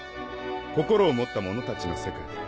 心を持ったものたちの世界。